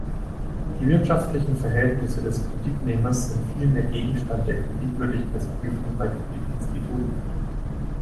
Die wirtschaftlichen Verhältnisse des Kreditnehmers sind vielmehr Gegenstand der Kreditwürdigkeitsprüfung bei Kreditinstituten.